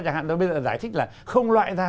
chẳng hạn tôi bây giờ giải thích là không loại ra